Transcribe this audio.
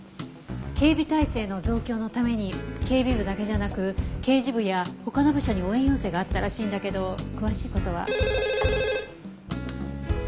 警備態勢の増強のために警備部だけじゃなく刑事部や他の部署に応援要請があったらしいんだけど詳しい事は。